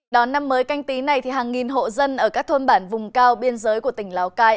đón năm mới canh tí này hàng nghìn hộ dân ở các thôn bản vùng cao biên giới của tỉnh lào cai